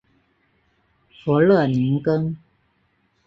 弗勒宁根。